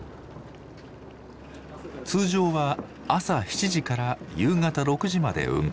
通常は朝７時から夕方６時まで運航。